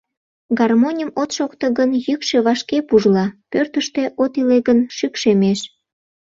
Гармоньым от шокто гын, йӱкшӧ вашке пужла, пӧртыштӧ от иле гын, шӱкшемеш.